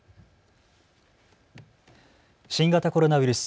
新型コロナウイルス。